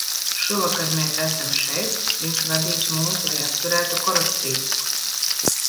Šovakar mēs esam šeit, viņš vadīs mūs, lai apturētu korupciju.